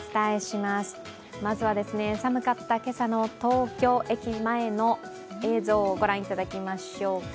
まずは寒かった今朝の東京駅前の映像をご覧いただきましょうか。